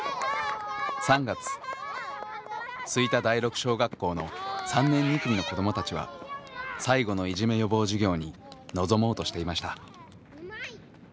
吹田第六小学校の３年２組の子どもたちは最後のいじめ予防授業に臨もうとしていました。